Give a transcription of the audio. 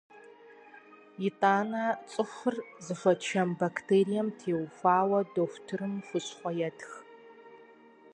Итӏанэ цӏыхур зыхуэчэм бактерием теухуауэ дохутырым хущхъуэ етх.